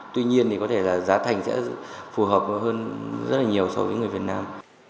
tuy nhiên thì có thể là giá thành sẽ phù hợp hơn rất là nhiều so với người việt nam